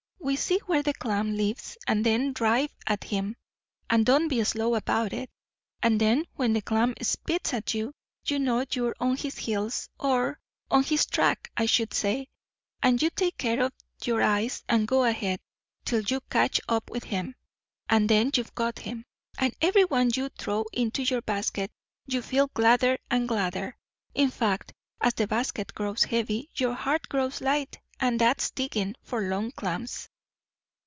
See where the clam lives, and then drive at him, and don't be slow about it; and then when the clam spits at you, you know you're on his heels or on his track, I should say; and you take care of your eyes and go ahead, till you catch up with him; and then you've got him. And every one you throw into your basket you feel gladder and gladder; in fact, as the basket grows heavy, your heart grows light. And that's diggin' for long clams."